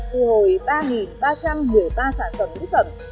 thu hồi ba ba trăm một mươi ba sản phẩm mỹ phẩm